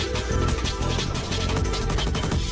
โปรดติดตามตอนต่อไป